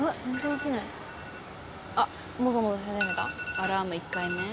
アラーム１回目。